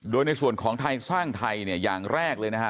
โดยในส่วนของไทยสร้างไทยเนี่ยอย่างแรกเลยนะฮะ